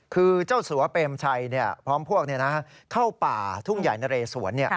คือเจ้าสัวเปรมชัยพร้อมพวกเข้าป่าทุ่งใหญ่นะเรสวน